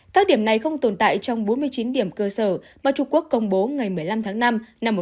các điểm này không tồn tại trong bốn mươi chín điểm cơ sở mà trung quốc công bố ngày một mươi năm tháng năm năm một nghìn chín trăm bảy mươi